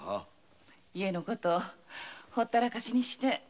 家の事をほったらかしにして。